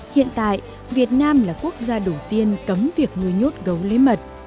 hiện tại việt nam là quốc gia đầu tiên cấm việc nuôi nhốt gấu lấy mật